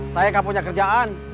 saya nggak punya kerjaan